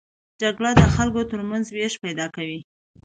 جګړه د خلکو تر منځ وېش پیدا کوي